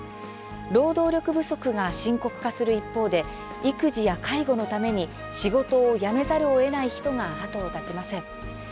労働力不足が深刻化する一方で育児や介護のために仕事を辞めざるをえない人が後を絶ちません。